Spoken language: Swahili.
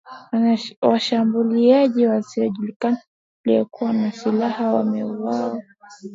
Washambuliaji wasiojulikana waliokuwa na silaha wamewaua wanajeshi klumi na moja wa Burkina Faso na